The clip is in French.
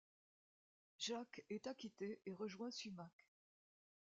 Jacques est acquitté et rejoint Sumac.